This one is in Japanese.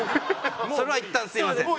それはいったんすみません。